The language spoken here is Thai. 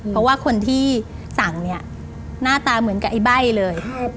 เพราะว่าคนที่สั่งเนี่ยหน้าตาเหมือนกับไอ้ใบ้เลย